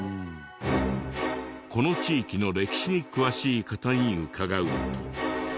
この地域の歴史に詳しい方に伺うと。